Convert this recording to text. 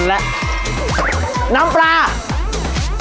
เจ้าคุณสุดสบายช่วยอะไร